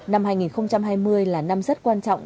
năm hai nghìn hai mươi là năm rất quan trọng